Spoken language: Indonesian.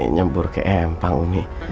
nyebur ke empang umi